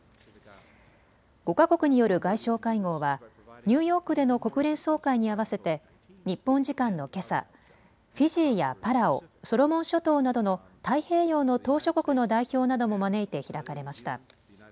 ５か国による外相会合はニューヨークでの国連総会に合わせて日本時間のけさ、フィジーやパラオ、ソロモン諸島などの太平洋の島しょ国の代表なども招いて開かれました。